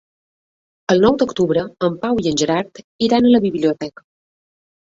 El nou d'octubre en Pau i en Gerard iran a la biblioteca.